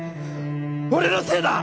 俺のせいだ！